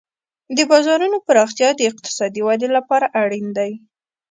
د بازارونو پراختیا د اقتصادي ودې لپاره اړین دی.